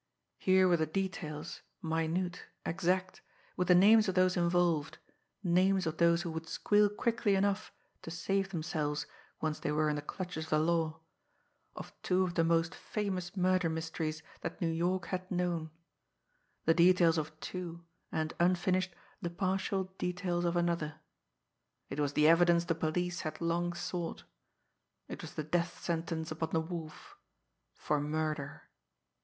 Here were the details, minute, exact, with the names of those involved, names of those who would squeal quickly enough to save themselves once they were in the clutches of the law, of two of the most famous murder mysteries that New York had known; the details of two, and, unfinished, the partial details of another. It was the evidence the police had long sought. It was the death sentence upon the Wolf for murder.